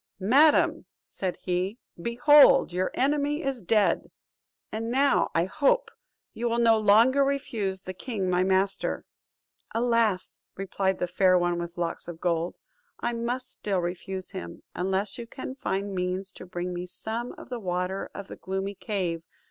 "Madam," said he, "behold your enemy is dead; and now, I hope, you will no longer refuse the king my master." "Alas!" replied the Fair One with Locks of Gold, "I must still refuse him, unless you can find means to bring me some of the water of the gloomy cave.